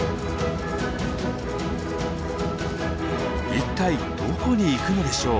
一体どこに行くのでしょう？